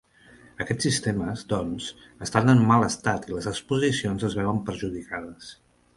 Aquests sistemes, doncs, estan en mal estat i les exposicions es veuen perjudicades.